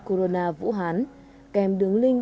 corona vũ hán kèm đường link